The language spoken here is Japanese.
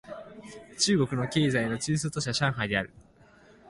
中国の経済の中枢都市は上海である